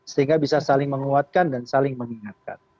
sehingga bisa saling menguatkan dan saling mengingatkan